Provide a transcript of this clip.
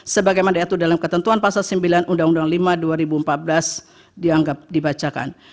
sebagaimana diatur dalam ketentuan pasal sembilan undang undang lima dua ribu empat belas dianggap dibacakan